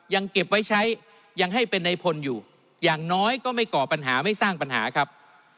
ยังเก็บไว้ใช้ยังให้เป็นในพลอยู่อย่างน้อยก็ไม่ก่อปัญหาไม่สร้างปัญหาครับ